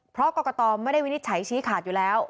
เพราะกรกตไม่ได้วินิจฉัยชี้ขาดอยู่แล้ว